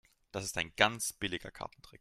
Das ist ein ganz billiger Kartentrick.